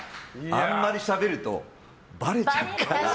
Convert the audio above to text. あまりしゃべるとばれちゃうから。